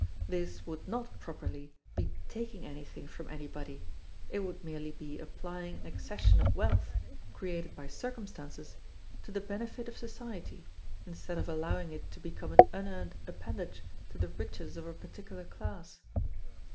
This would not properly be taking anything from anybody; it would merely be applying an accession of wealth, created by circumstances, to the benefit of society, instead of allowing it to become an unearned appendage to the riches of a particular class.